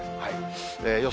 予想